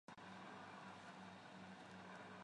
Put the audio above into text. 妻子赵曾玖则任职于贵州省科委。